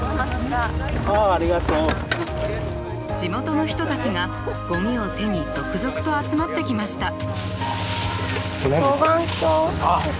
地元の人たちがゴミを手に続々と集まってきました。